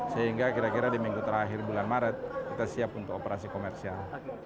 sehingga kira kira di minggu terakhir bulan maret kita siap untuk operasi komersial